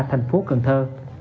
thành phố cần thơ